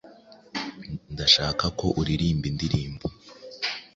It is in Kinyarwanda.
Ndashaka ko uririmba indirimbo.